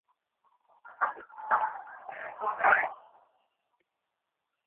তুমি তো জানোই, সে বলে যায় না।